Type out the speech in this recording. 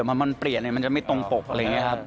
พอมันเปลี่ยนมันจะไม่ตรงปกอะไรอย่างนี้ครับ